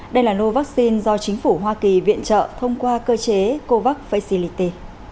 đây là lô vaccine do chính phủ hoa kỳ viện trợ thông qua cơ chế covax fracility